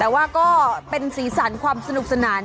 แต่ว่าก็เป็นสีสันความสนุกสนาน